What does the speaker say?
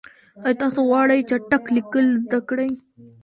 آیا تاسو غواړئ چټک لیکل زده کړئ؟